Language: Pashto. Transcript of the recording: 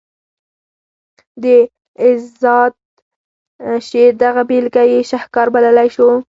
د اذاد شعر دغه بیلګه یې شهکار بللی شو.